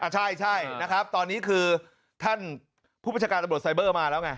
ใช่นะครับตอนนี้คือท่านผู้บัญชาการตำรวจไซเบอร์มาแล้วไง